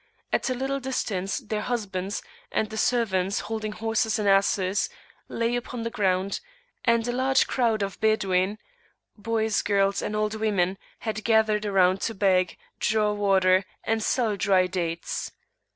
At a little distance their husbands, and the servants holding horses and asses, lay upon the ground, and a large crowd of Badawin, boys, girls, and old women, had gathered around to beg, draw water, and sell dry dates.